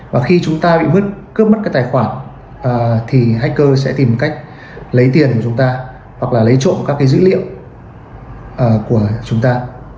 và khi chúng ta bị cướp mất cái tài khoản thì hacker sẽ tìm cách lấy tiền của chúng ta hoặc là lấy trộm các cái dữ liệu của chúng ta